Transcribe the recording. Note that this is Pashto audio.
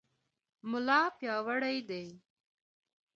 ملا پیاوړی دی.